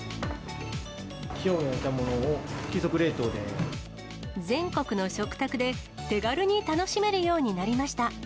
きょう焼いたものを急速冷凍全国の食卓で手軽に楽しめるようになりました。